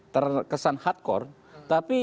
terkesan hardcore tapi